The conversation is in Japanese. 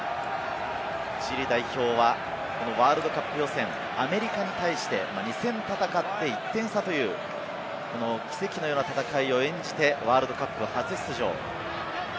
チリ代表はこのワールドカップ予選、アメリカに対して２戦を戦って１点差という奇跡のような戦いを演じてワールドカップの初出場。